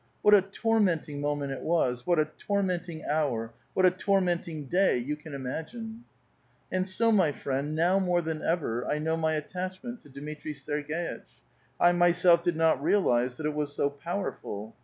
What a tormenting moment it was, what a torment ing hour, what a tormenting day, you can imagine 1 And so, my friend, now more than before, 1 know my attachment to Dmitri Serg^itch. I myself did not realize that it was so powerful.